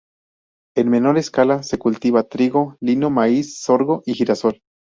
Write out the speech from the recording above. En menor escala se cultiva trigo, lino, maíz, sorgo y girasol.